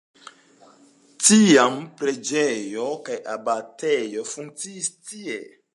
Tiam preĝejo kaj abatejo funkciis tie.